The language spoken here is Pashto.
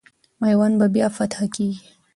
میوند به بیا فتح کېږي.